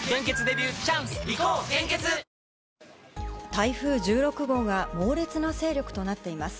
台風１６号が猛烈な勢力となっています。